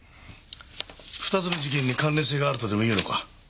２つの事件に関連性があるとでもいうのか？